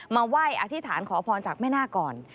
มาไหว้อธิษฐานขอพรจากแม่นาคก่อน